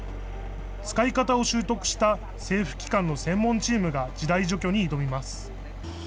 使い方を習得した政府機関の専門チームが地雷除去に挑みます。